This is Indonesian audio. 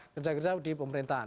kerja kerja di pemerintahan